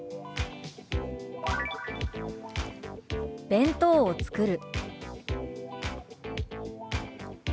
「弁当を作る」。